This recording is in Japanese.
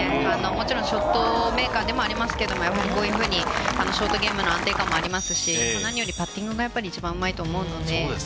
もちろんショットメーカーでもありますけれども、やはりこういうふうに、ショーとゲームの安定感もありますし、何よりパッティングが一番うまいと思うので。